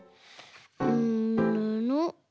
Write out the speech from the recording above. うんぬの。